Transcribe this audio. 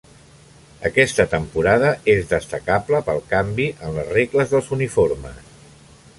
Aquesta temporada és destacable pel canvi en les regles dels uniformes.